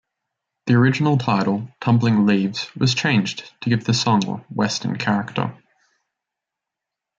The original title "Tumbling Leaves" was changed to give the song a western character.